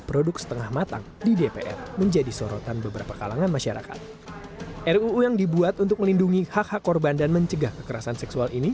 ruu yang dibuat untuk melindungi hak hak korban dan mencegah kekerasan seksual ini